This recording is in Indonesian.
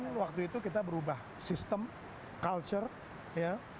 ini waktu itu kita berubah sistem culture ya